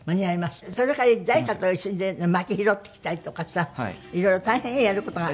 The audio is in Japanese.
それから誰かと一緒にまき拾ってきたりとかさいろいろ大変よやる事があるから。